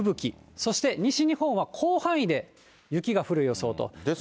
そして西日本は広範囲で雪が降る予想となっています。